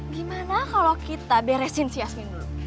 gimana kalo kita beresin si yasmin dulu